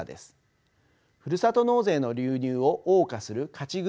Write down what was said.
ふるさと納税の流入をおう歌する「勝ち組」